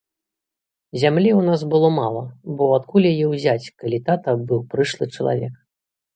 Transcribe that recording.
Зямлі ў нас было мала, бо адкуль яе ўзяць, калі тата быў прышлы чалавек.